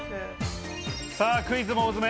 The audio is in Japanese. クイズも大詰め。